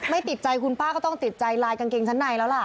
ไม่ติดใจคุณป้าก็ต้องติดใจลายกางเกงชั้นในแล้วล่ะ